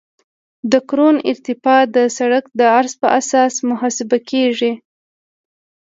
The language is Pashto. د کرون ارتفاع د سرک د عرض په اساس محاسبه کیږي